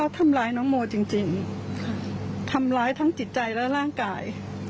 ทำร้ายทั้งจิตใจและร่างกาย